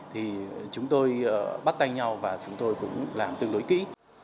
thì chúng tôi bắt tay nhau và chúng tôi cũng làm tương đối kỹ